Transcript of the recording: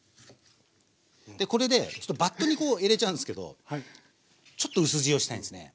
これでバットにこう入れちゃうんすけどちょっとうす塩したいんすね。